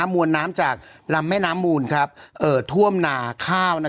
มวลน้ำจากลำแม่น้ำมูลท่วมนาข้าว